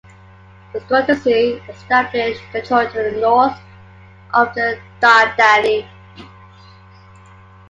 The Scordisci established control to the north of the Dardani.